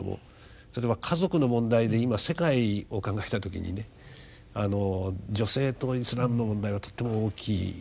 例えば家族の問題で今世界を考えた時にね女性とイスラムの問題はとっても大きいです。